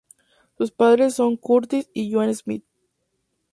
Sus padres son Curtis y Joan Smith.